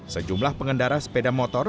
sejumlah pengendara sepeda motor